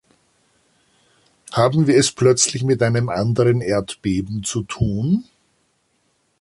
Haben wir es jetzt plötzlich mit einem anderen Erdbeben zu tun?